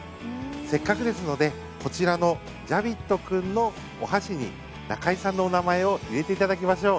せっかくですのでこちらのジャビット君のお箸に中居さんのお名前を入れていただきましょう。